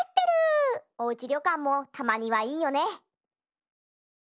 おうちりょかんもたまにはいいよね。